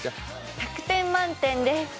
１００点満点です。